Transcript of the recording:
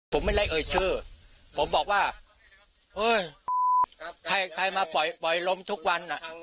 ผมไม่ได้เอ่ยชื่อผมบอกว่าอุ้ยใครใครมาปล่อยปล่อยลมทุกวันอ่ะ